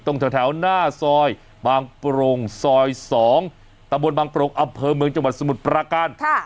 ตรงแถวหน้าซอยบางโปรงซอย๒ตะบนบางโปรงอำเภอเมืองจังหวัดสมุทรปราการ